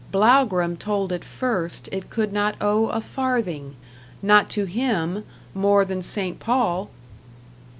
Blougram told it first It could not owe a farthing, not to him More than St. Paul!